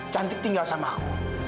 cantik tinggal sama aku